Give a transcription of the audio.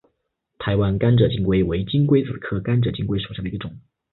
台湾甘蔗金龟为金龟子科甘蔗金龟属下的一个种。